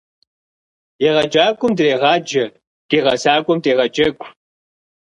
Егъэджакӏуэм дрегъаджэ, ди гъэсакӏуэм дегъэджэгу.